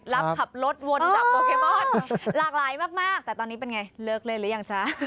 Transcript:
รับขับรถวนกับโปเกมอน